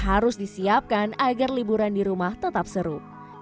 harus disiapkan agar liburan di rumah tetap seru